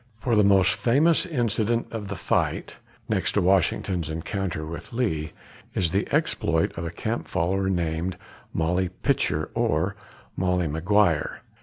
The most famous incident of the fight, next to Washington's encounter with Lee, is the exploit of a camp follower named Molly Pitcher or Molly McGuire.